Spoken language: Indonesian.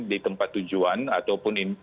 di tempat tujuan ataupun